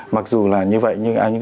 mặc dù là như vậy nhưng anh